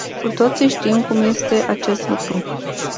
Cu toții știm acum acest lucru.